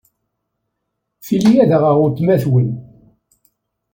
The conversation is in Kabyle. Tili ad aɣeɣ weltma-twen.